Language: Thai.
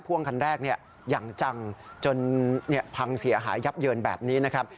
พ่วงคันแรกอย่างจังจนพังเสียหายยับเยินแบบนี้นะครับ